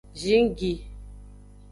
Zingi.